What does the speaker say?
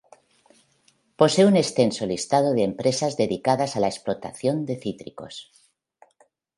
Posee un extenso listado de empresas dedicadas a la explotación de cítricos.